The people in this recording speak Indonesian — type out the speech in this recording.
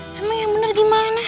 emang yang benar gimana